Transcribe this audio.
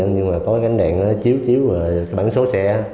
nhưng mà có cái ánh đèn chiếu chiếu và cái bảng số xe